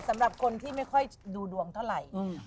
สำหรับคนที่ไม่ค่อยดูดวงเท่าไหร่